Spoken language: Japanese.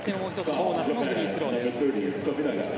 ボーナスのフリースローです。